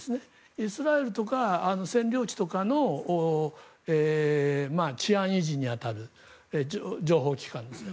イスラエルとか占領地とかの治安維持に当たる情報機関ですね。